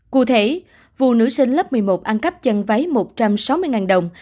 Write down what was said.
cụ thể vụ nữ sinh lớp một mươi một ăn cắp chân váy một trăm sáu mươi đồng